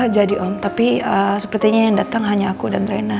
jadi om tapi sepertinya yang datang hanya aku dan reina